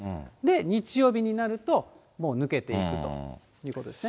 日曜日になると、もう抜けていくということですね。